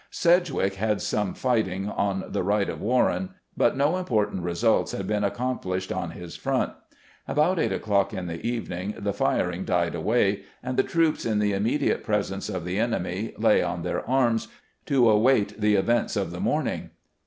Sedgwick had some fighting on the right of Warren, but no important results had been accomplished on his front. About eight o'clock in the evening the firing died away, and the troops in the immediate pres ence of the enemy lay on their arms to await the events of the morning.